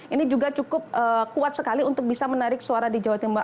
ini juga cukup kuat sekali untuk bisa menarik suara di jawa timur